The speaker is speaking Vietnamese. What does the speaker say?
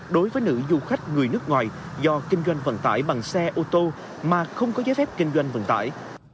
đối với nữ du khách người nước ngoài do kinh doanh vận tải bằng xe ô tô mà không có giấy phép kinh doanh vận tải